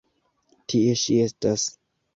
Tie ŝi estas.